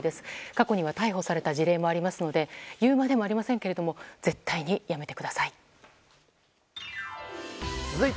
過去には逮捕された事例もありますので言うまでもありませんが絶対にやめてください。